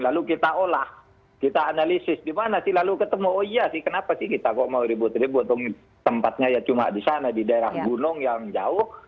lalu kita olah kita analisis di mana sih lalu ketemu oh iya sih kenapa sih kita kok mau ribut ribut tempatnya ya cuma di sana di daerah gunung yang jauh